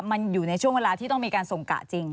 มันอยู่ในช่วงเวลาที่ต้องมีการส่งกะจริง